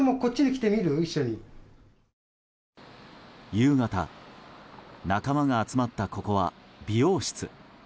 夕方、仲間が集まったここは美容室。